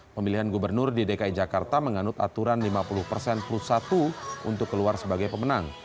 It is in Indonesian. pemilihan gubernur di dki jakarta menganut aturan lima puluh persen plus satu untuk keluar sebagai pemenang